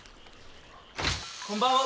こんばんは。